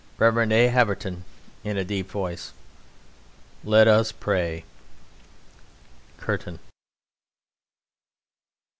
REV. A. HAVERTON (in a deep voice): Let us pray. _Curtain.